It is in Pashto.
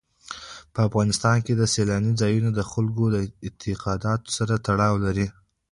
په افغانستان کې سیلانی ځایونه د خلکو د اعتقاداتو سره تړاو لري.